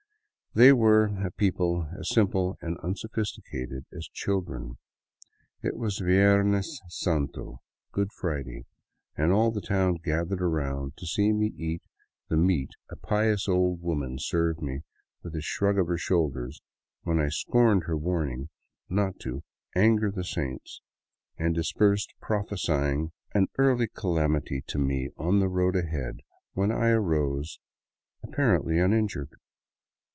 They were a people as simple and unsophisticated as children. It was Viernes Santo (Good Friday), and all the town gathered around to see me eat the meat a pious old woman served me with a shrug of her shoulders when I scorned her warning not to " anger the saints," and dispersed prophesying an early calamity to me on the road ahead when I arose apparently uninjured.